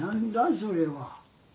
それは。